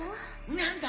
何だ？